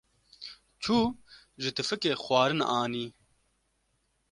Çû ji tifikê xwarin anî.